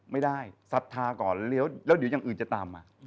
ไม่ได้ศรัทธาก่อนแล้วเดี๋ยวอย่างอื่นจะตามมา